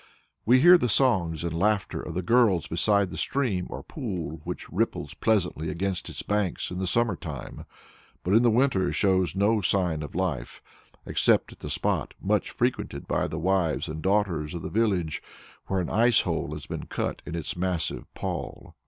We hear the songs and laughter of the girls beside the stream or pool which ripples pleasantly against its banks in the summer time, but in the winter shows no sign of life, except at the spot, much frequented by the wives and daughters of the village, where an "ice hole" has been cut in its massive pall.